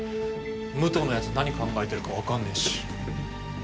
武藤のやつ何考えてるか分かんねえし。